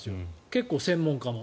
結構、専門家も。